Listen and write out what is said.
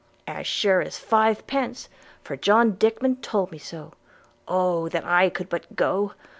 'As sure as five pence – for John Dickman told me so. Oh! that I could but go!